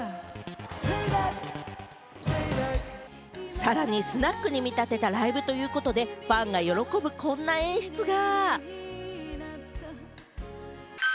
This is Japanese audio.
さらにスナックに見立てたライブということで、ファンが喜ぶこんな演出が。